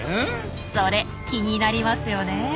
それ気になりますよね。